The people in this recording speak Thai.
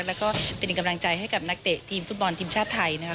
แล้วก็เป็นกำลังใจให้กับนักเตะทีมฟุตบอลทีมชาติไทยนะครับ